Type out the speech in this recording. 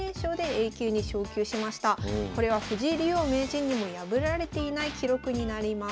これは藤井竜王名人にも破られていない記録になります。